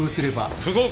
不合格！